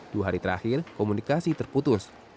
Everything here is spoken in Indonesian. dua hari terakhir komunikasi terputus